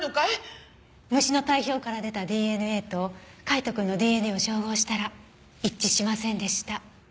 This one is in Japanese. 虫の体表から出たＤＮＡと海斗くんのＤＮＡを照合したら一致しませんでした。